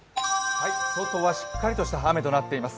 外はしっかりとした雨となっています。